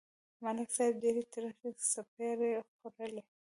ملک صاحب ډېرې ترخې څپېړې خوړلې.